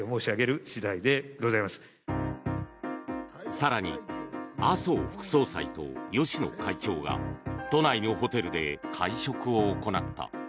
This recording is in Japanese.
更に、麻生副総裁と芳野会長が都内のホテルで会食を行った。